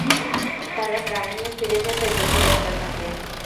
তারা প্রাণ নিয়ে ফিরে যেতে যুদ্ধ করতে থাকে।